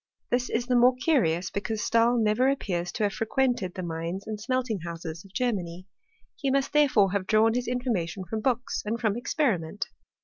Th» IB the more curious, because Stahl never appears to have frequented the mines and smelting ho uses of Germany. He must, therefore, have drawn his in formation from books and from experiment.